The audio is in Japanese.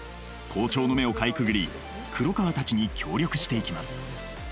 校長の目をかいくぐり黒川たちに協力していきます